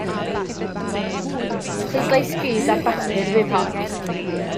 Pleidlais gudd ar bapur fydd hon.